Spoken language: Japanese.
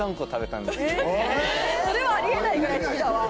それはあり得ないぐらい好きだわ。